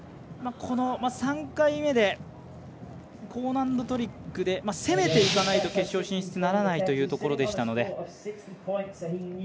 この３回目で高難度トリックで攻めていかないと決勝進出ならないというところでしたので。